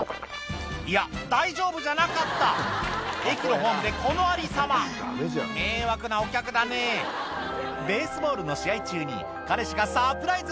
いや大丈夫じゃなかった駅のホームでこのありさま迷惑なお客だねベースボールの試合中に彼氏がサプライズ